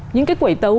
những cái quẩy tấu